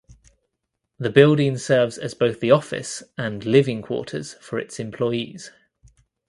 The building serves as both the office and living quarters for its employees.